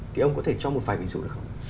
thì ông có thể cho một vài ví dụ được không